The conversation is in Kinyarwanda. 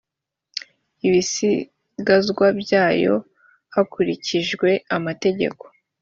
ibisigazwa byayo hakurikijwe amategeko